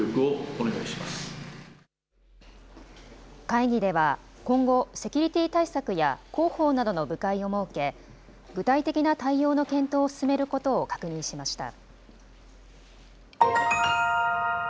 会議では、今後、セキュリティ対策や広報などの部会を設け、具体的な対応の検討を進めることを確認しました。